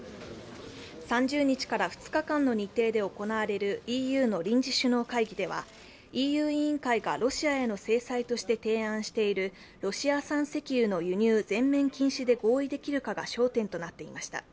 ３０日から２日間の日程で行われるＥＵの臨時首脳会議ではＥＵ委員会がロシアへの制裁として提案しているロシア産石油の輸入全面禁止で合意できるかが焦点となっていました。